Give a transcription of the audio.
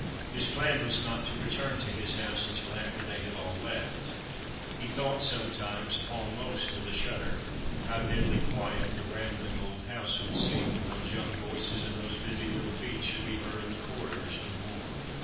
His plan was not to return to his house until after they had all left. He thought some The Christmas Hirelings. "247 times, almost with a shudder, how deadly quiet the rambling old house would seem when those young voices and those busy little feet should be heard in the corridors no more.